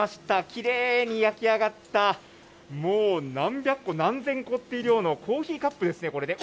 きれいに焼き上がった、もう何百個、何千個っていうコーヒーカップですね、これね。